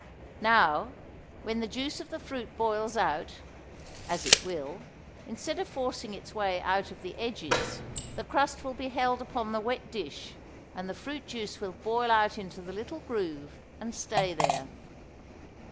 Now, when the juice of the fruit boils out, as it will, instead of forcing its way out of the edges, the crust will be held upon the wet dish, and the fruit juice will boil out in the little groove and stay there.